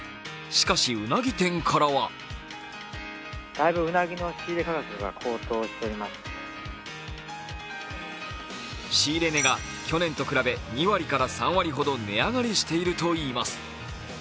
しかし、うなぎ店からは仕入れ値が去年と比べ２割から３割ほど値上がりしているといいます。